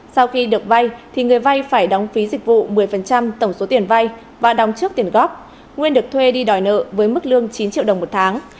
sau khi được vay thì người vay phải đóng phí dịch vụ một mươi tổng số tiền vay và đóng trước tiền góp nguyên được thuê đi đòi nợ với mức lương chín triệu đồng một tháng